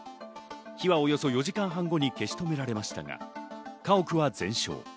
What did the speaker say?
火はおよそ４時間半後に消し止められましたが、家屋は全焼。